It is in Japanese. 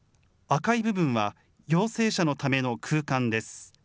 赤い部分は、陽性者のための空間です。